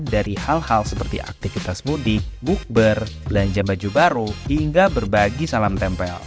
dari hal hal seperti aktivitas mudik bukber belanja baju baru hingga berbagi salam tempel